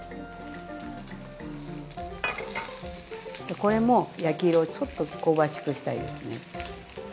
これも焼き色をちょっと香ばしくした色にね。